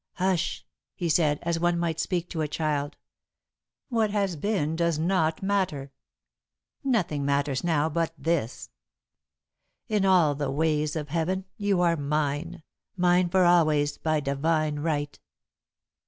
"Hush," he said, as one might speak to a child. "What has been does not matter nothing matters now but this. In all the ways of Heaven, you are mine mine for always, by divine right!"